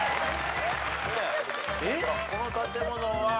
「この建物は」